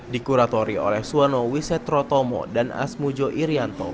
dikuratori oleh suwono wisetrotomo dan asmujo irianto